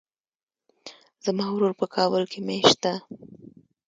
زما ورور په کابل کې ميشت ده.